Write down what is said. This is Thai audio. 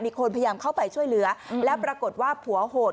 มีคนพยายามเข้าไปช่วยเหลือแล้วปรากฏว่าผัวโหด